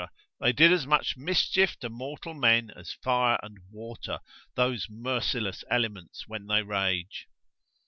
they did as much mischief to mortal men as fire and water, those merciless elements when they rage.